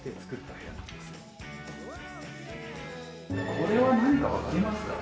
これは何かわかりますかね？